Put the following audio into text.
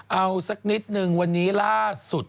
เอาสักนิดนึงวันนี้ล่าสุด